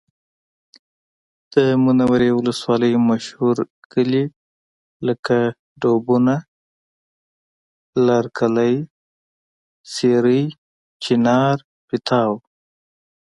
د منورې ولسوالۍ مشهور کلي لکه ډوبونه، لرکلی، سېرۍ، چینار، پیتاو